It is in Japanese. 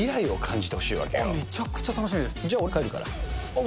じゃあ、俺帰るから。